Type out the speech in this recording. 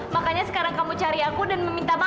makanya sekarang kamu cari aku dan meminta maaf